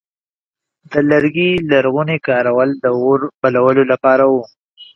د لرګي لرغونی کارول د اور بلولو لپاره و.